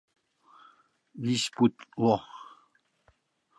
Вич пуд ло.